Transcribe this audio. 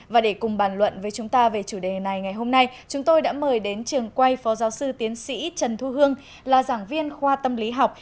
và để cùng bàn luận với chúng ta về chủ đề này ngày hôm nay chúng tôi đã mời đến trường quay phó giáo sư tiến sĩ trần thu hương là giảng viên khoa tâm lý học